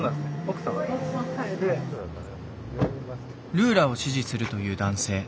ルーラを支持するという男性。